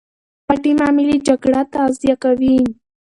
پټې معاملې جګړه تغذیه کوي.